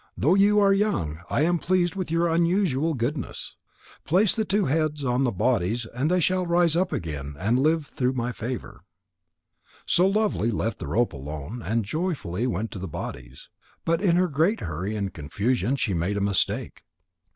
Though you are young, I am pleased with your unusual goodness. Place the two heads on the two bodies and they shall rise up again and live through my favour." So Lovely left the rope alone and joyfully went to the bodies. But in her great hurry and confusion she made a mistake.